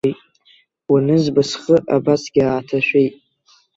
Уанызба, схы абасгьы ааҭашәеит.